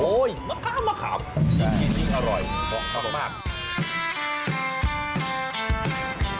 โอ๊ยมะขามจริงอร่อยบอกชอบมาก